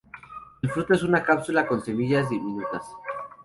El fruto es una cápsula con semillas diminutas.